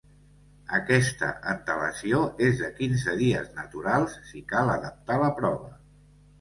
Aquesta antelació és de quinze dies naturals si cal adaptar la prova.